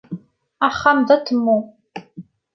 Axxam d atemmu